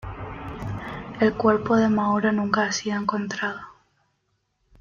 El cuerpo de Mauro nunca ha sido encontrado.